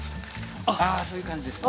そういう感じですね。